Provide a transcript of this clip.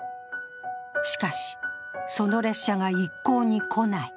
しかし、その列車が一向に来ない。